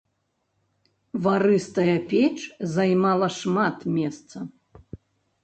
Варыстая печ займала шмат месца.